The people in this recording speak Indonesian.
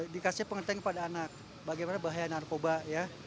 dikasih pengetahuan kepada anak bagaimana bahaya narkoba ya